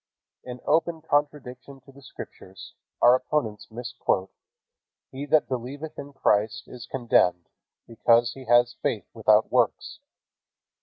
In open contradiction to the Scriptures, our opponents misquote, "He that believeth in Christ is condemned, because he has faith without works."